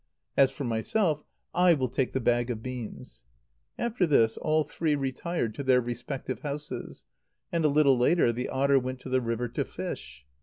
As for myself, I will take the bag of beans." After this, all three retired to their respective houses; and a little later the otter went to the river to fish.